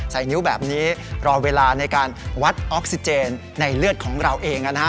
ใส่นิ้วแบบนี้รอเวลาในการวัดออกซิเจนในเลือดของเราเองนะฮะ